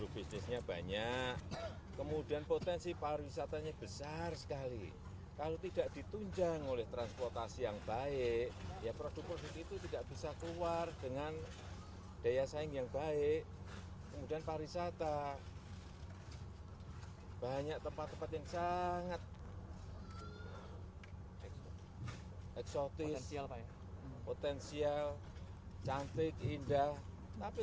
pembangunan ini diharapkan dapat mengurai kemacetan yang selama ini terjadi di ruas bogor ciawi sukabumi